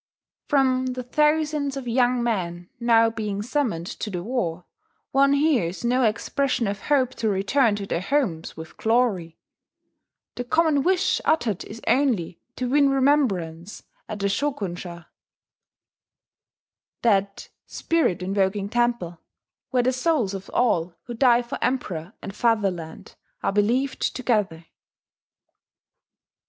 From the thousands of young men now being summoned to the war, one hears no expression of hope to return to their homes with glory; the common wish uttered is only to win remembrance at the Shokonsha that "Spirit Invoking Temple," where the souls of all who die for Emperor and fatherland are believed to gather.